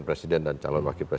presiden dan calon wakil